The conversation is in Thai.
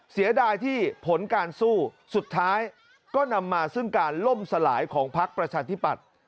เสียดายที่ผลการสู้สุดท้ายก็นำมาซึ่งการล่มสลายของพักประชาธิปัตย์